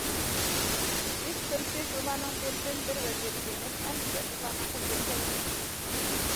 ئىس پۈركۈش ئۇلارنىڭ بىردىن- بىر ۋەزىپىسى، مەشئەل بولۇش ئۇلارنىڭ قولىدىن كەلمەيتتى.